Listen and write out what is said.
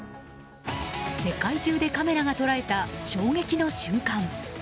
世界中でカメラが捉えた衝撃の瞬間。